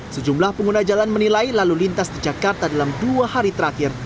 sejumlah pengguna jalan menilai lalu lintas di jakarta dalam dua hari terakhir